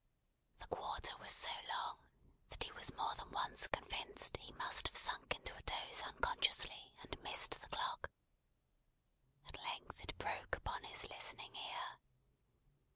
The quarter was so long, that he was more than once convinced he must have sunk into a doze unconsciously, and missed the clock. At length it broke upon his listening ear.